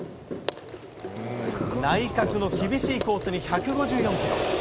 内角の厳しいコースに１５４キロ。